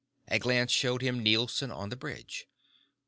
A glance showed him Nielson on the bridge.